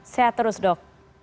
sehat terus dok